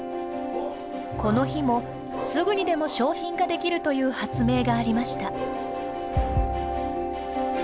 この日も、すぐにでも商品化できるという発明がありました。